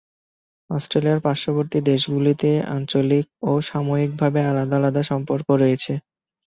অস্ট্রিয়ার পার্শ্ববর্তী দেশগুলিতে আঞ্চলিক ও সাময়িকভাবে আলাদা আলাদা সম্পর্ক রয়েছে।